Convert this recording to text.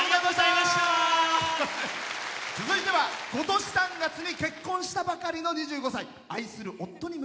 続いてはことし３月に結婚したばかりの２５歳。